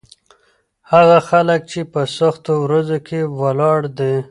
هغه خلک چې په سختو ورځو کې ولاړ دي.